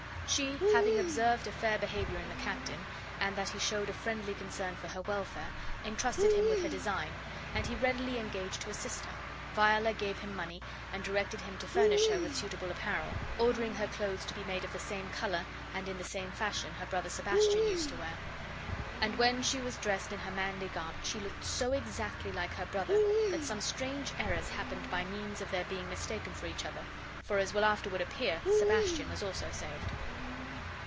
She having observed a fair behavior in the captain, and that he showed a friendly concern for her welfare, intrusted him with her design, and he readily engaged to assist her. Viola gave him money and directed him to furnish her with suitable apparel, ordering her clothes to be made of the same color and in the same fashion her brother Sebastian used to wear, and when she was dressed in her manly garb she looked so exactly like her brother that some strange errors happened by means of their being mistaken for each other, for, as will afterward appear, Sebastian was also saved.